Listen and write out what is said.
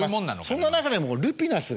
そんな中でもルピナスがね。